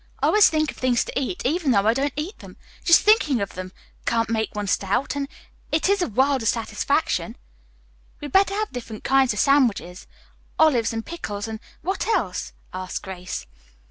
I always think of things to eat, even though I don't eat them. Just thinking of them can't make one stout, and it is a world of satisfaction." "We had better have different kinds of sandwiches, olives and pickles, and what else?" asked Grace.